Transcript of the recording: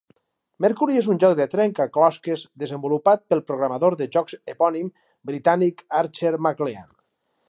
"Mercury" és un joc de trencaclosques desenvolupat pel programador de jocs epònim britànic Archer MacLean.